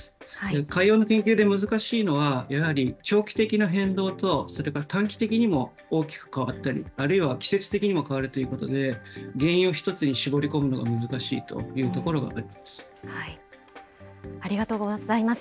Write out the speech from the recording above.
海洋の研究で難しいのは、やはり長期的な変動と、それから短期的にも大きく変わったり、あるいは季節的にも変わるということで、原因を一つに絞り込むのが難しいというところがあります。